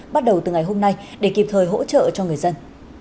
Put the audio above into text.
bắt đầu từ ngày hôm nay để kịp thời hỗ trợ cho người dân